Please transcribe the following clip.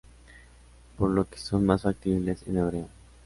Por lo que son más factibles en hebreo.